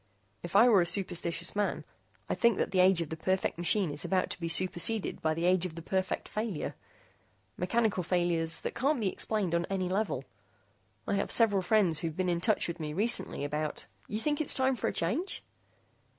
If I were a superstitious man, I'd think that the age of the perfect machine is about to be superseded by the age of the perfect failure mechanical failures that can't be explained on any level. I have several friends who've been in touch with me recently about " "You think that it's time for a change?"